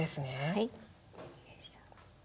はい。